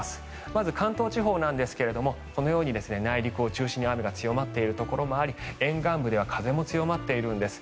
まず、関東地方ですがこのように内陸を中心に雨が強まっているところもあり沿岸部では風も強まっているんです。